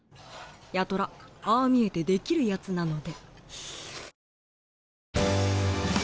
八虎ああ見えてできるヤツなので。